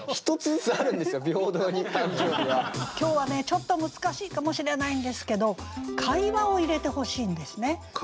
ちょっと難しいかもしれないんですけど会話を入れてほしいんですね。